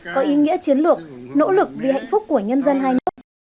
có ý nghĩa chiến lược nỗ lực vì hạnh phúc của nhân dân hai nước